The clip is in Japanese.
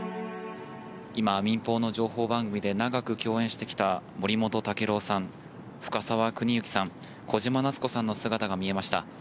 今、民放の情報番組で長く共演してきた森本毅郎さん、深沢邦之さん小島奈津子さんの姿が見えました。